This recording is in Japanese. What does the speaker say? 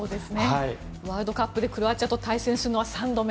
ワールドカップでクロアチアとの対戦は３度目。